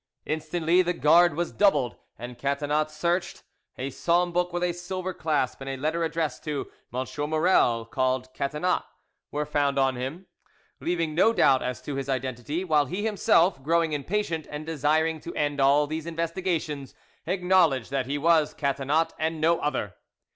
Instantly the guard was doubled, and Catinat searched: a psalm book with a silver clasp and a letter addressed to "M. Maurel, called Catinat," were found on him, leaving no doubt as to his identity; while he himself, growing impatient, and desiring to end all these investigations, acknowledged that he was Catinat and no other.